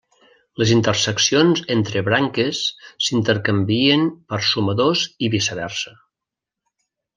Les interseccions entre branques s'intercanvien per sumadors i viceversa.